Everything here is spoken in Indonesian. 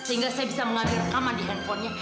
sehingga saya bisa mengambil rekaman di handphonenya